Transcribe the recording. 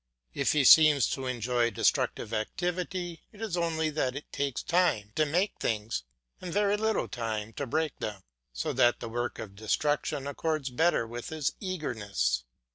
If he seems to enjoy destructive activity it is only that it takes time to make things and very little time to break them, so that the work of destruction accords better with his eagerness.